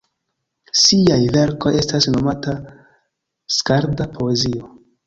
Siaj verkoj estas nomata skalda-poezio.